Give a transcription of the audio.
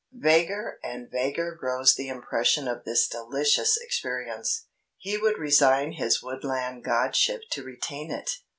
Vaguer and vaguer grows the impression of this delicious experience. He would resign his woodland godship to retain it.